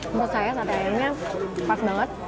menurut saya sate ayamnya pas banget